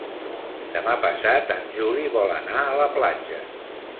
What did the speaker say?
Demà passat en Juli vol anar a la platja.